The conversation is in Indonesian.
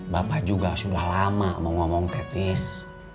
bapak juga sudah lama mau ngomong teh tis